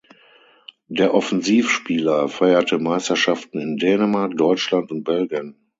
Der Offensivspieler feierte Meisterschaften in Dänemark, Deutschland und Belgien.